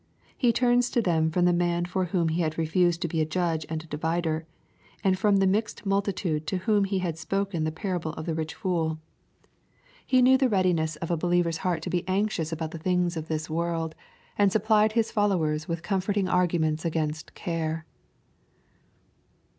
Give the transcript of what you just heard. He turns to them from the man for whom He had refused to be a judge and a divider, and from the mixed multitude to whom ha Lad spoken the parable of the rich fooL He knew the readiness of 4* 82 EXPOSITORY THOUGHTS. a believer's heart to be anxious about tlie things of this wt)rld, and supphed His followers with comforting arguments against care.